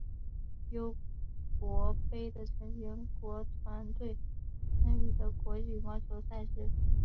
尤伯杯的成员国团队参与的国际羽毛球赛事。